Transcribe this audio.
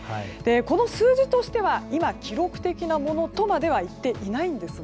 この数字としては今、記録的なものとまではいっていないんですが